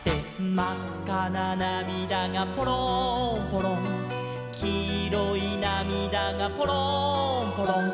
「まっかななみだがぽろんぽろん」「きいろいなみだがぽろんぽろん」